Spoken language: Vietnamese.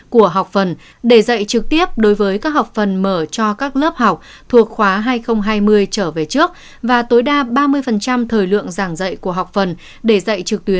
của học phần để dạy trực tiếp đối với các học phần mở cho các lớp học thuộc khóa hai nghìn hai mươi